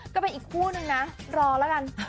ก็เป็นอีกคู่นึงนะรอแล้วกัน